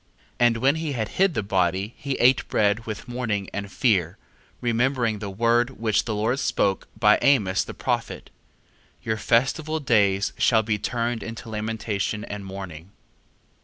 2:5. And when he had hid the body, he ate bread with mourning and fear, 2:6. Remembering the word which the Lord spoke by Amos the prophet: Your festival days shall be turned into lamentation and mourning.